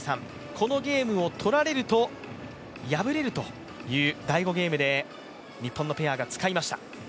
このゲームをとられると敗れるという第５ゲームで日本のペアが使いました。